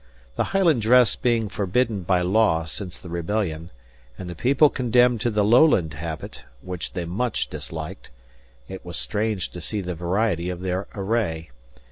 The Highland dress being forbidden by law since the rebellion, and the people condemned to the Lowland habit, which they much disliked, it was strange to see the variety of their array.